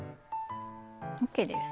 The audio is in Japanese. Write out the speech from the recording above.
ＯＫです。